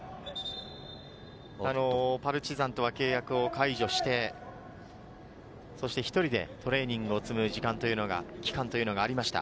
パルチザンとは契約を解除して、１人でトレーニングを積む時間というのがありました。